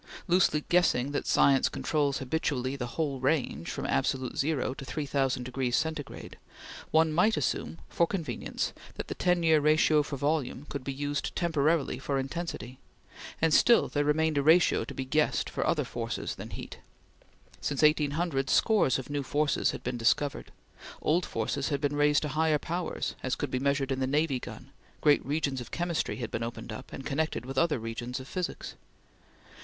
Loosely guessing that science controls habitually the whole range from absolute zero to 3000 degrees Centigrade, one might assume, for convenience, that the ten year ratio for volume could be used temporarily for intensity; and still there remained a ratio to be guessed for other forces than heat. Since 1800 scores of new forces had been discovered; old forces had been raised to higher powers, as could be measured in the navy gun; great regions of chemistry had been opened up, and connected with other regions of physics.